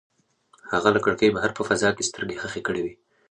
هغه له کړکۍ بهر په فضا کې سترګې ښخې کړې وې.